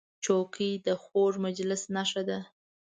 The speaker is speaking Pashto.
چوکۍ د خوږ مجلس نښه ده.